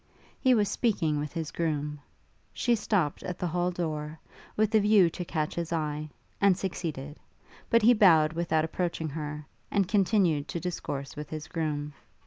He was speaking with his groom. She stopt at the hall door, with a view to catch his eye, and succeeded; but he bowed without approaching her, and continued to discourse with his groom.